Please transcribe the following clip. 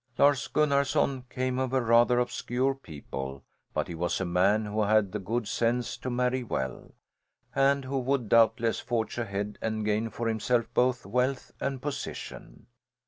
Lars Gunnarson came of rather obscure people, but he was a man who had the good sense to marry well, and who would doubtless forge ahead and gain for himself both wealth and position.